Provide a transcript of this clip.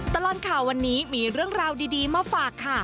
ตลอดข่าววันนี้มีเรื่องราวดีมาฝากค่ะ